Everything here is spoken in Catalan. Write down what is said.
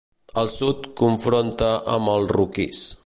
Al sud confronta amb el Roquís.